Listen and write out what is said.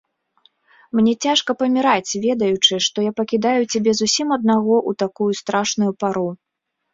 Мне цяжка паміраць, ведаючы, што я пакідаю цябе зусім аднаго ў такую страшную пару.